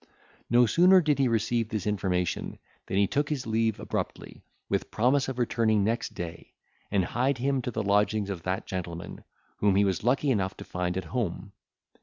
No sooner did he receive this information than he took his leave abruptly, with promise of returning next day, and hied him to the lodgings of that gentleman, whom he was lucky enough to find at home.